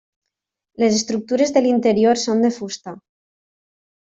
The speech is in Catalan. Les estructures de l'interior són de fusta.